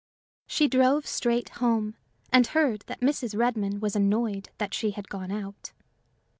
She drove straight home, and heard that Mrs. Redmain was annoyed that she had gone out.